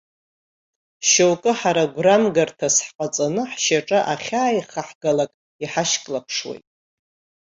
Шьоукы ҳара гәрамгарҭас ҳҟаҵаны ҳшьаҿа ахьааихаагалак иҳашьклаԥшуеит.